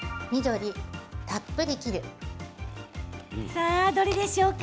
さあ、どれでしょうか？